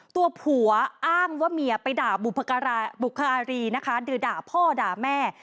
ตัวผัวอ้างว่าเมียไปด่าบุคอารีนะคะหรือด่าพ่อด่าแม่